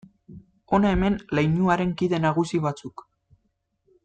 Hona hemen leinuaren kide nagusi batzuk.